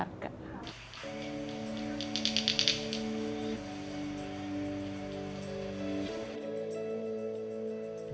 serta meningkatkan penjualan mak dimplon